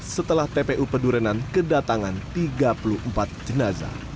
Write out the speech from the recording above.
setelah tpu pedurenan kedatangan tiga puluh empat jenazah